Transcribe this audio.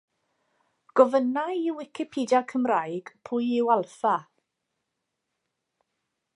Gofynna i Wicipedia Cymraeg pwy yw Alffa?